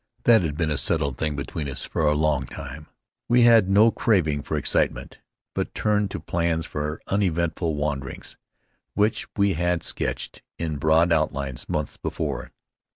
That had been a settled thing between us for a long time. We had no craving for excitement, but turned to plans for uneventful wanderings which we had sketched in broad outlines months before.